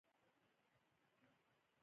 نصرالله حافظ د ماشومانو شاعر و.